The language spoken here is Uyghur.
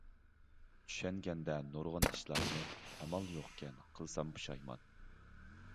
چۈشەنگەندە نۇرغۇن ئىشلارنى، ئامال يوقكەن قىلسام پۇشايمان.